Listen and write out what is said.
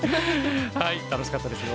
楽しかったですよ。